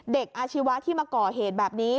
อาชีวะที่มาก่อเหตุแบบนี้